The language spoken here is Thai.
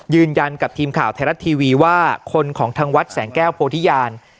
ยืนยันกับทีมข่าวไทยรัฐทีวีว่าคนของทางวัดแสงแก้วโพธิญาณ